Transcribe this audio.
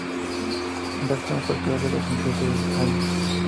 Braxton, fue el peor de los insultos de Jamie.